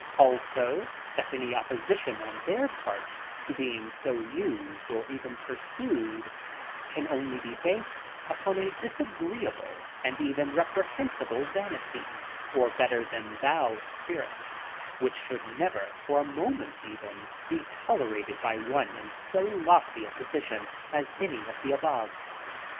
Also that any opposition on their part to being so used or pursued can only be based upon a disagreeable and even reprehensible vanity or "better than thou" spirit, which should never, for a moment even, be tolerated by one in so lofty a position as any of the above.